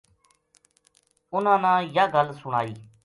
اُنھاں نا یاہ گل سنائی